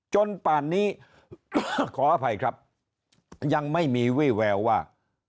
ป่านนี้ขออภัยครับยังไม่มีวี่แววว่า